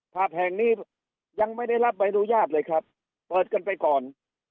ผับแห่งนี้ยังไม่ได้รับใบอนุญาตเลยครับเปิดกันไปก่อน